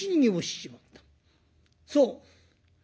そう。